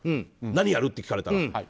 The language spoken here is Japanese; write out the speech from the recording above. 何やるって聞かれたら。